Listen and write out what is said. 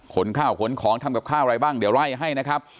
ข้าวขนของทำกับข้าวอะไรบ้างเดี๋ยวไล่ให้นะครับ